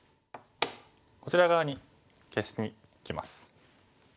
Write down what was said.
こちら側に消しにきます。